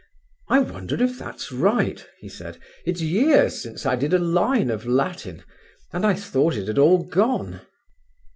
"I wonder if that's right," he said. "It's years since I did a line of Latin, and I thought it had all gone."